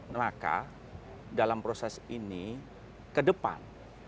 maka dalam proses ini ke depan